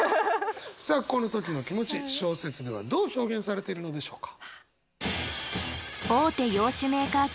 さあこの時の気持ち小説ではどう表現されているのでしょうか。